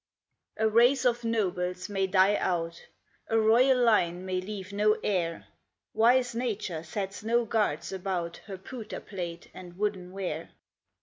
A race of nobles may die out, A royal line may leave no heir; Wise Nature sets no guards about Her pewter plate and wooden ware.